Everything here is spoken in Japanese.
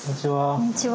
こんにちは。